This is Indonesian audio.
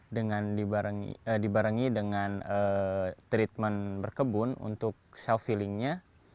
dengan dibarengi dengan treatment berkebun untuk self healing nya